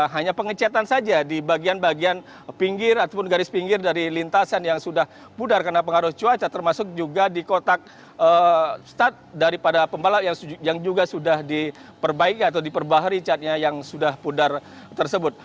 hanya pengecetan saja di bagian bagian pinggir ataupun garis pinggir dari lintasan yang sudah pudar karena pengaruh cuaca termasuk juga di kotak start daripada pembalap yang juga sudah diperbaiki atau diperbahari catnya yang sudah pudar tersebut